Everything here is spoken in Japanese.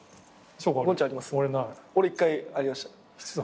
俺一回ありました。